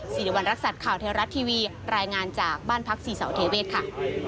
สิริวัณรักษัตริย์ข่าวเทวรัฐทีวีรายงานจากบ้านพักศรีเสาเทเวศค่ะ